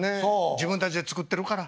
自分たちで作ってるから。